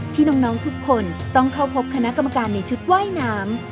ที่น้องทุกคนต้องเข้าพบคณะกรรมการในชุดว่ายน้ำ